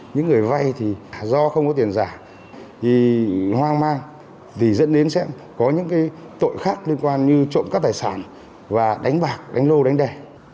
nếu người vai không có tiền giả thì hoang mang thì dẫn đến sẽ có những tội khác liên quan như trộm các tài sản và đánh bạc đánh lô đánh đè